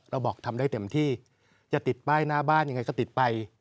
บอกทำได้เต็มที่จะติดป้ายหน้าบ้านยังไงก็ติดไป